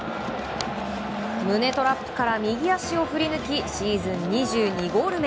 胸トラップから右足を振り抜きシーズン２２ゴール目。